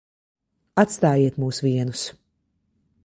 Atstājiet mūs vienus.